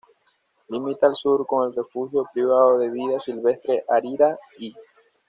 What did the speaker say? Limita al sur con el refugio privado de vida silvestre Arirá-í.